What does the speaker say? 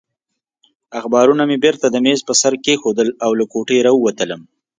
اخبارونه مې بېرته د مېز پر سر کېښودل او له کوټې راووتلم.